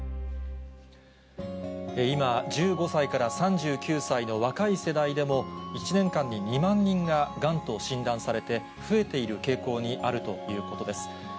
今、１５歳から３９歳の若い世代でも、１年間に２万人ががんと診断されて、増えている傾向にあるということです。